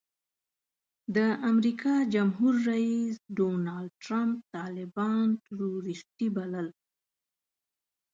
د امریکا جمهور رئیس ډانلډ ټرمپ طالبان ټروریسټي بلل.